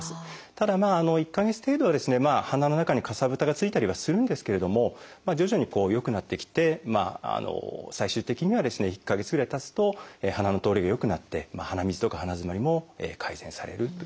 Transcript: ただ１か月程度はですね鼻の中にかさぶたがついたりはするんですけれども徐々に良くなってきて最終的にはですね１か月ぐらいたつと鼻の通りが良くなって鼻水とか鼻づまりも改善されるという。